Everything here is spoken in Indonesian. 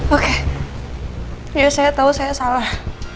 oke ya saya tahu saya salah